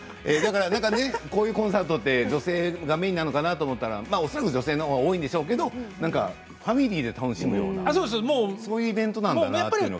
こういうコンサートは女性がメインなのかなと思ったら恐らく女性のほうが多いんでしょうけどファミリーで楽しむようなそういうイベントなんだなと。